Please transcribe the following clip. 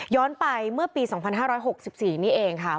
ไปเมื่อปี๒๕๖๔นี่เองค่ะ